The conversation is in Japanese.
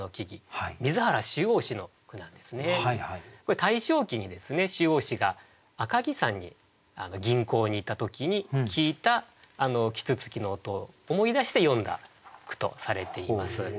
これ大正期に秋櫻子が赤城山に吟行に行った時に聞いた啄木鳥の音を思い出して詠んだ句とされています。